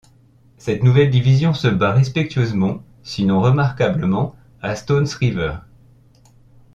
Cette nouvelle division se bat respectueusement, sinon remarquablement, à Stones River.